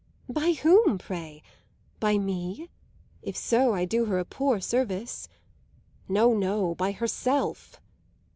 "By whom, pray? By me? If so I do her a poor service." "No, no; by herself."